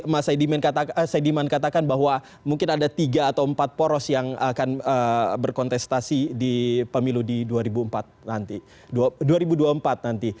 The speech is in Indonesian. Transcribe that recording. sesuai dengan apa yang tadi mas hedi man katakan bahwa mungkin ada tiga atau empat poros yang akan berkontestasi di pemilu di dua ribu dua puluh empat nanti